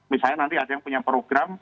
misalnya nanti ada yang punya program